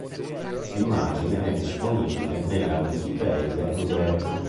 L'immagine è disponibile nella Wikipedia in greco.